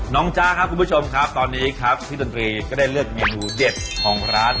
จ๊ะครับคุณผู้ชมครับตอนนี้ครับพี่ดนตรีก็ได้เลือกเมนูเด็ดของร้าน